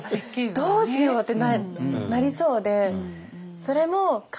どうしようってなりそうで。